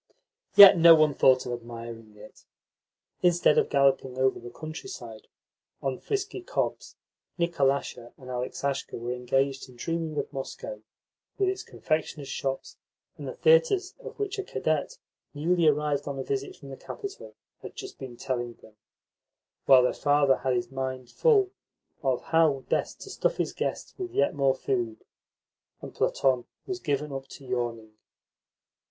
Yet no one thought of admiring it. Instead of galloping over the countryside on frisky cobs, Nikolasha and Aleksasha were engaged in dreaming of Moscow, with its confectioners' shops and the theatres of which a cadet, newly arrived on a visit from the capital, had just been telling them; while their father had his mind full of how best to stuff his guests with yet more food, and Platon was given up to yawning.